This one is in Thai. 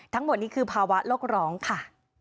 ทั้งหมดนี้คือภาวะโลกร้องค่ะ